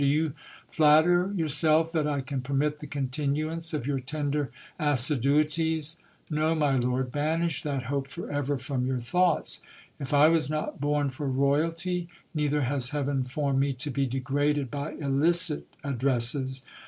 Do you flatter yourself that I cm permit the continuance of your tender assiduities ? No, my lord, banish that hope for ever from your thoughts. If I was not born for royalty, neither has heaven formed me to be degraded by illicit addresses.